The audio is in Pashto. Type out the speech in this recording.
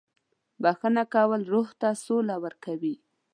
• بښنه کول روح ته سوله ورکوي.